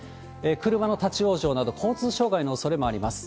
車の立往生など、交通障害のおそれもあります。